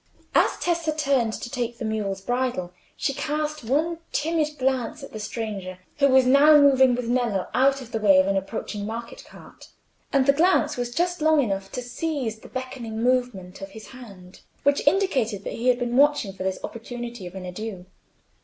As Tessa turned to take the mule's bridle, she cast one timid glance at the stranger, who was now moving with Nello out of the way of an approaching market cart; and the glance was just long enough to seize the beckoning movement of his hand, which indicated that he had been watching for this opportunity of an adieu.